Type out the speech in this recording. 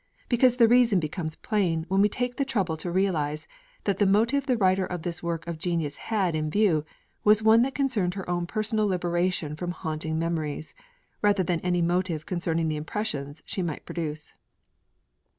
Because the reason becomes plain when we take the trouble to realise that the motive the writer of this work of genius had in view was one that concerned her own personal liberation from haunting memories, rather than any motive concerning the impressions she might produce.